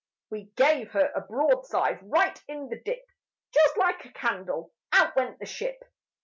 We gave her a broadside Right in the dip, Just like a candle, Out went the ship.